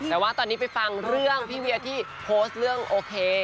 แต่ว่าตอนนี้ไปฟังเรื่องพี่เวียที่โพสต์เรื่องโอเค